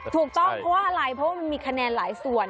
ถูกต้องเพราะว่าอะไรเพราะว่ามันมีคะแนนหลายส่วน